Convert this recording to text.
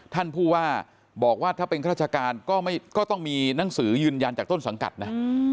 ท่านผู้ว่าบอกว่าถ้าเป็นข้าราชการก็ต้องมีหนังสือยืนยันจากต้นสังกัดนะ